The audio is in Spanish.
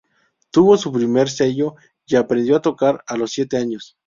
Tuvo su primer cello y aprendió a tocarlo a los siete años.